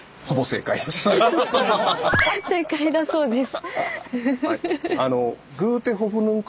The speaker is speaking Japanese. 正解だそうです。